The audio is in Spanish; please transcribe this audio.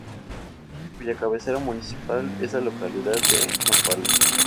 Cuya cabecera municipal es la localidad de Nopala.